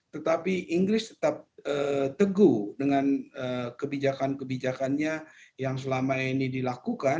tetapi inggris tetap teguh dengan kebijakan kebijakannya yang selama ini dilakukan